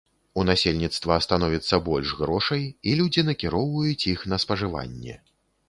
У насельніцтва становіцца больш грошай, і людзі накіроўваюць іх на спажыванне.